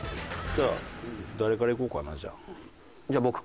じゃあ誰からいこうかなじゃあ。